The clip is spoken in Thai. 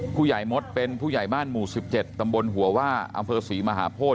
ผู้ใหญ่มดเป็นผู้ใหญ่บ้านหมู่๑๗ตำบลหัวว่าอำเภอศรีมหาโพธิ